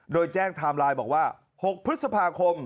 โดยแจ้งไทม์ไลน์บอกว่า๖พฤษภาคม